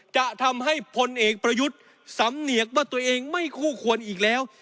จะทำให้พลเอกประยุทธ์สำเนียกว่าตัวเองไม่คู่ควรอีกแล้ว